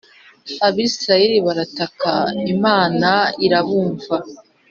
abisirayeli batakira imana irabumva